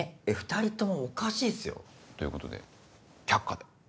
２人ともおかしいっすよ。ということで却下で。